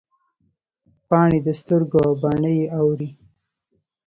پاڼې د سترګو او باڼه یې اوري